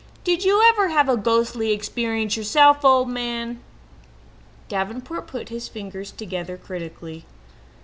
Did you ever have a ghostly experience yourself, old man?" Davenport put his finger tips critically together.